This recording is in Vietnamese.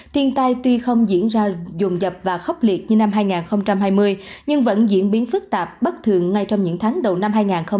thiên tai tuy không diễn ra dồn dập và khốc liệt như năm hai nghìn hai mươi nhưng vẫn diễn biến phức tạp bất thường ngay trong những tháng đầu năm hai nghìn hai mươi